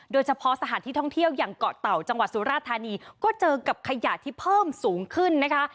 โดยเฉพาะสถานที่ท่องเที่ยวอย่างเกาะเต่าจังหวัดสุราธานีก็เจอกับขยะที่เพิ่มสูงขึ้นนะคะ